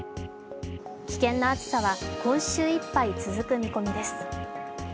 危険な暑さは今週いっぱい続く見込みです。